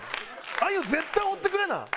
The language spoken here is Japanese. あゆ絶対おってくれな！